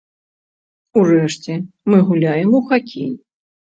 Урэшце, мы гуляем у хакей!